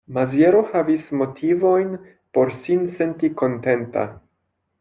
Maziero havis motivojn por sin senti kontenta.